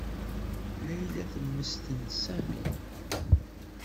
Layla temmesten Sami.